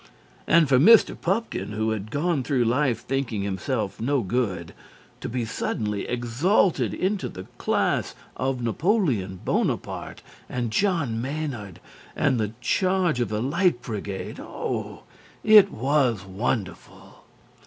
And for Mr. Pupkin, who had gone through life thinking himself no good, to be suddenly exalted into the class of Napoleon Bonaparte and John Maynard and the Charge of the Light Brigade oh, it was wonderful.